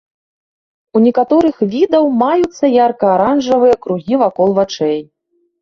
У некаторых відаў маюцца ярка-аранжавыя кругі вакол вачэй.